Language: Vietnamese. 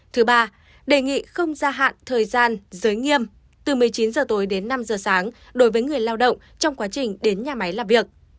thứ ba đề nghị không gia hạn thời gian giới nghiêm từ một mươi chín h tối đến năm h sáng đối với người lao động trong quá trình đến nhà máy làm việc